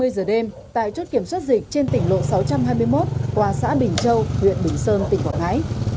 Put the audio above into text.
hai mươi giờ đêm tại chốt kiểm soát dịch trên tỉnh lộ sáu trăm hai mươi một qua xã bình châu huyện bình sơn tỉnh quảng ngãi